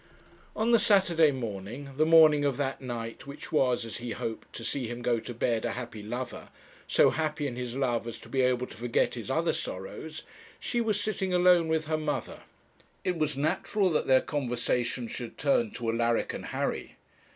On the Saturday morning, the morning of that night which was, as he hoped, to see him go to bed a happy lover, so happy in his love as to be able to forget his other sorrows, she was sitting alone with her mother. It was natural that their conversation should turn to Alaric and Harry.